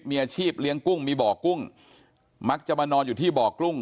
มีอาชีพเลี้ยงกุ้งมีบ่อกุ้งมักจะมานอนอยู่ที่บ่อกุ้ง